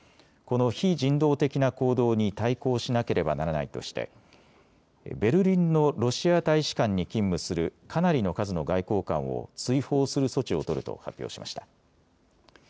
この非人道的な行動に対抗しなければならないとしてベルリンのロシア大使館に勤務するかなりの数の外交官を追放する措置を取ると発表しました。